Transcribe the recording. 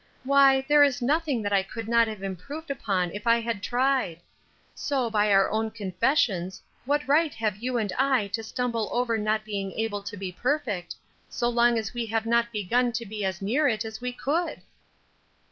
Why, there is nothing that I could not have improved upon if I had tried. So by our own confessions what right have you and I to stumble over not being able to be perfect, so long as we have not begun to be as near it as we could?"